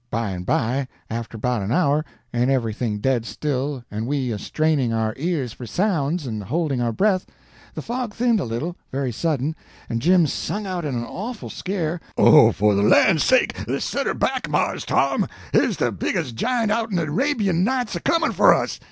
By and by, after about an hour, and everything dead still and we a straining our ears for sounds and holding our breath, the fog thinned a little, very sudden, and Jim sung out in an awful scare: "Oh, for de lan's sake, set her back, Mars Tom, here's de biggest giant outen de 'Rabian Nights a comin' for us!"